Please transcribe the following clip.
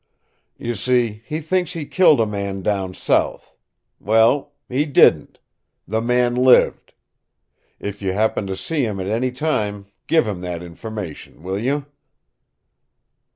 "You see, he thinks he killed a man down south. Well, he didn't. The man lived. If you happen to see him at any time give him that information, will you?"